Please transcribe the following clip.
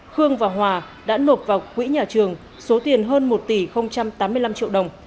khương và hòa đã nộp vào quỹ nhà trường số tiền hơn một tỷ tám mươi năm triệu đồng